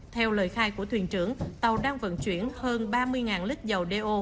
theo lời khai của thuyền trưởng tàu đang vận chuyển hơn ba mươi lít dầu đeo